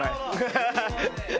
ハハハ。